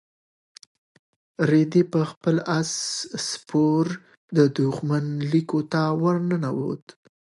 رېدي په خپل اس سپور د دښمن لیکو ته ورننوت.